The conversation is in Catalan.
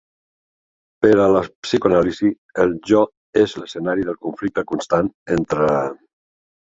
Per a la psicoanàlisi, el jo és l'escenari del conflicte constant entre: